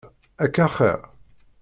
Akka axir?